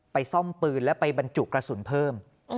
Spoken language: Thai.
ซ่อมปืนแล้วไปบรรจุกระสุนเพิ่ม